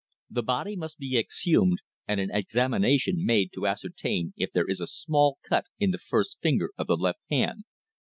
"The body must be exhumed, and an examination made to ascertain if there is a small cut in the first finger of the left hand.